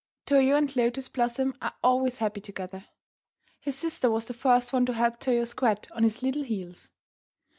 Toyo and Lotus Blossom are always happy together. His sister was the first one to help Toyo squat on his little heels.